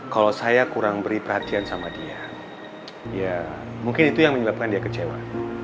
kalau saya kurang beri perhatian sama dia ya mungkin itu yang menyebabkan dia kecewa